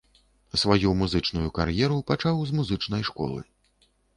Сваю музычную кар'еру пачаў з музычнай школы.